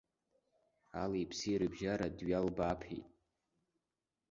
Али-ԥси рыбжьара дҩалбааԥеит.